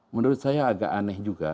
menurut saya agak aneh juga